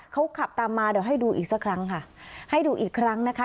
เขาขับตามมาเดี๋ยวให้ดูอีกสักครั้งค่ะให้ดูอีกครั้งนะคะ